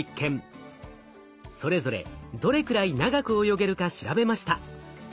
それぞれどれくらい長く泳げるか調べました。